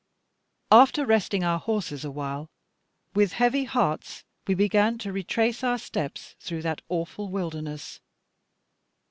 After resting our horses awhile, with heavy hearts we began to retrace our steps through that awful wilderness.